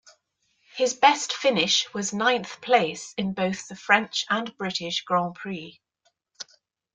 His best finish was ninth place in both the French and British Grands Prix.